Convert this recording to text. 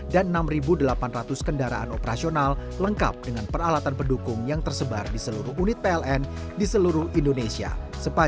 dan enam delapan ratus kendaraan operasional lengkap dengan peralatan pendukung yang tersebar di seluruh unit pln di seluruh indonesia